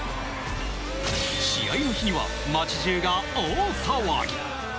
試合の日には街中が大騒ぎ！